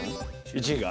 １位が？